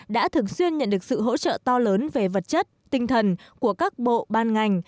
đã thường xuyên nhận được sự hỗ trợ to lớn về vật chất tinh thần của các bộ ban ngành